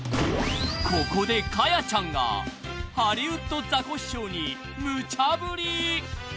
［ここでかやちゃんがハリウッドザコシショウにムチャブリ］